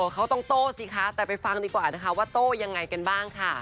เขาต้องโต้สิคะแต่ไปฟังดีกว่านะคะว่าโต้ยังไงกันบ้างค่ะ